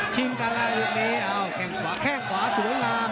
ชิงกันต่อเลยท์เอ้าแค้งขวาแค่งขวาสวยล่า